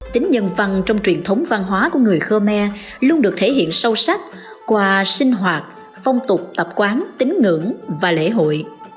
tính nhân văn trong truyền thống văn hóa của người khmer luôn được thể hiện sâu sắc qua sinh hoạt phong tục tập quán tính ngưỡng và lễ hội